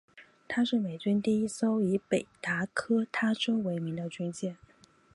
她是美军第一艘以北达科他州为名的军舰。